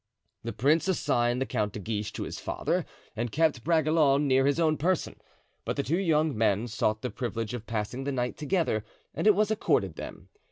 The prince assigned the Count de Guiche to his father and kept Bragelonne near his own person; but the two young men sought the privilege of passing the night together and it was accorded them.